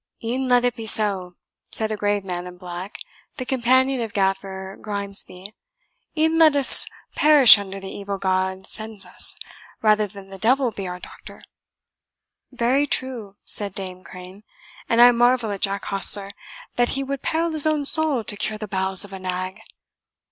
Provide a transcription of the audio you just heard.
"E'en let it be so," said a grave man in black, the companion of Gaffer Grimesby; "e'en let us perish under the evil God sends us, rather than the devil be our doctor." "Very true," said Dame Crane; "and I marvel at Jack Hostler that he would peril his own soul to cure the bowels of a nag."